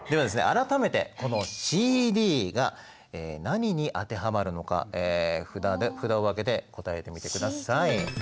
改めてこのＣＤが何に当てはまるのか札を上げて答えてみてください。